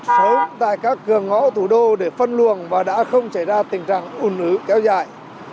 sớm tại các cửa ngõ thủ đô để phân luồng và đã không chảy ra tình trạng ồn ứ kéo dài